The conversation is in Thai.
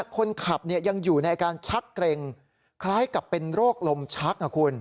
คนขับยังอยู่ในอาการชักเกร็งคล้ายกับเป็นโรคลมชัก